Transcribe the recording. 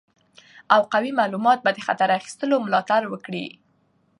او قوي معلومات به د خطر اخیستلو ملاتړ وکړي.